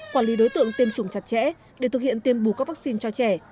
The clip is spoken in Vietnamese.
quản lý đối tượng tiêm chủng chặt chẽ